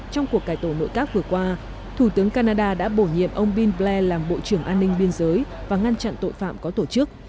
trong cuộc cải tổ nội các vừa qua thủ tướng canada đã bổ nhiệm ông bill blair làm bộ trưởng an ninh biên giới và ngăn chặn tội phạm có tổ chức